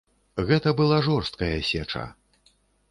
Гэта была жорсткая сеча.